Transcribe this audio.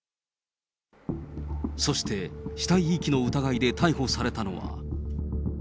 そして死体遺棄の疑いで逮捕されたのは。